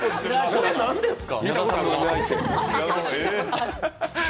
これ何ですか？